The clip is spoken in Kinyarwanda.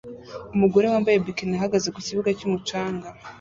Umugore wambaye bikini ahagaze ku kibuga cyumucanga